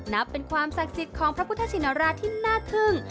นับเป็นความศักดิ์สิทธิ์ของพระพุทธชินราชที่น่าทึ่ง